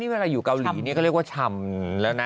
๑๕นี่เวลาอยู่เกาหลีก็เรียกว่าชำแล้วนะ